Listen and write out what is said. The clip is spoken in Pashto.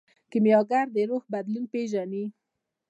کیمیاګر د روح بدلون پیژني.